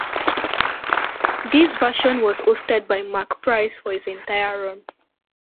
This version was hosted by Marc Price for its entire run.